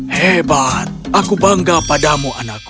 hebat aku bangga padamu anakku